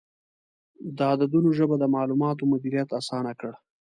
د عددونو ژبه د معلوماتو مدیریت اسانه کړ.